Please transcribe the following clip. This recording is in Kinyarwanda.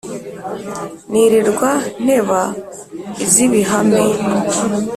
Nirirwa nteba iz’ ibihame.